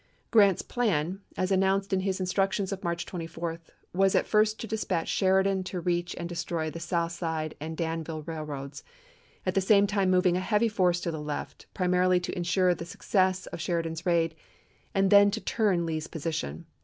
Grant's plan, as announced in his instructions of March 24, was at first to dispatch Sheridan to reach and destroy the South Side and Danville railroads, at the same time moving a heavy force to the left, primarily to insure the success of Sheri dan's raid,1 and then to turn Lee's position.